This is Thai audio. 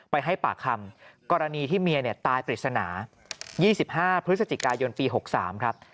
ไปให้ปากคำกรณีที่เมียตายปริศนา๒๕พฤศจิกายนปี๖๓ครับ